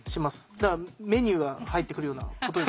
だからメニューが入ってくるようなことですもんね。